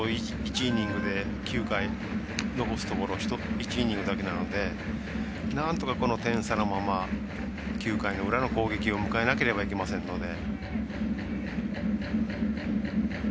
９回、残すところ１イニングだけなのでなんとか、この点差のまま９回の裏の攻撃を迎えなければいけませんので。